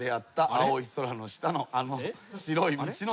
「蒼い空の下のあの白い道の途中で」